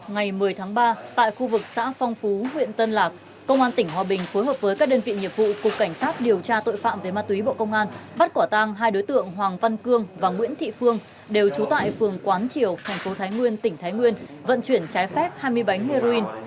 ngày một mươi tháng ba tại khu vực xã phong phú huyện tân lạc công an tỉnh hòa bình phối hợp với các đơn vị nghiệp vụ cục cảnh sát điều tra tội phạm về ma túy bộ công an bắt quả tang hai đối tượng hoàng văn cương và nguyễn thị phương đều trú tại phường quán triều thành phố thái nguyên tỉnh thái nguyên vận chuyển trái phép hai mươi bánh heroin